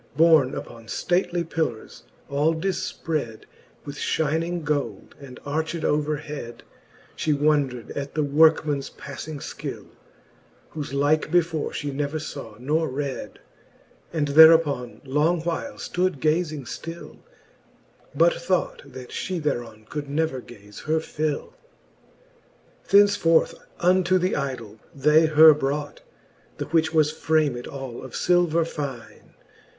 Borne uppon ftately pillours, all difpred With fhining gold, and arched over hed, She wondred at the workemans paffing Ikill, Whofe like before fhe never faw nor red ; And thereuppon long while ftood gazing flill, But thought, that fhe thereon could never gaze her fill. VI. Thence Canto VII. the Faerie Slueene, 1 03 VI. Thenceforth unto the idoll they her brought, The which was framed all of filver fine.